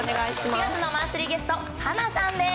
４月のマンスリーゲスト、はなさんです。